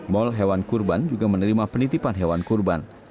mall hewan kurban juga menerima penitipan hewan kurban